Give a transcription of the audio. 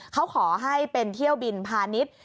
เขาขอให้เป็นเที่ยวบินพาณิชย์